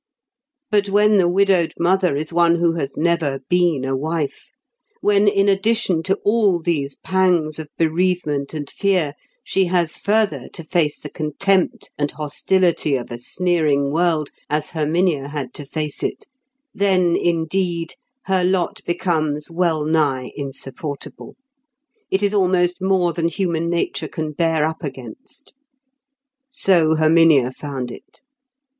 But when the widowed mother is one who has never been a wife—when in addition to all these pangs of bereavement and fear, she has further to face the contempt and hostility of a sneering world, as Herminia had to face it—then, indeed, her lot becomes well nigh insupportable; it is almost more than human nature can bear up against. So Herminia found it.